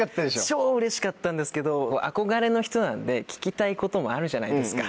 超うれしかったんですけど憧れの人なんで聞きたいこともあるじゃないですか。